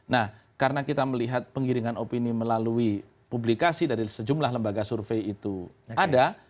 nah karena kita melihat pengiringan opini melalui publikasi dari sejumlah lembaga survei itu ada